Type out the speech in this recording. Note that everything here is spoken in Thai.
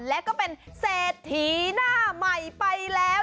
และก็เป็นเศรษฐีหน้าใหม่ไปแล้ว